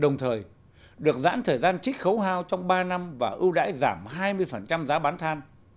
đồng thời được giãn thời gian chích khấu hao trong ba năm và ưu đãi giảm hai mươi giá bán than